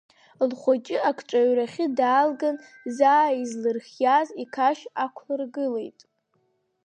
Лхәыҷы акҿаҩрахьы даалган, заа излырхиахьаз иқашь аақәлыргылеит.